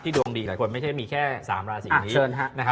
ที่ดวงดีกับหลายคนไม่ใช่มีแค่๓ราศีอันนี้